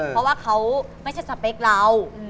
เพราะว่าเขาไม่ใช่สเปคเรา